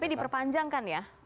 tapi diperpanjangkan ya